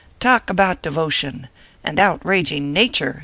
Talk about devo tion ! and outraging nature